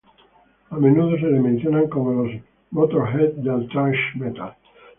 A menudo se les menciona como los "Motörhead del "thrash metal"".